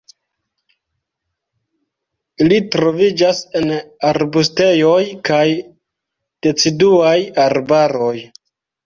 Ili troviĝas en arbustejoj kaj deciduaj arbaroj.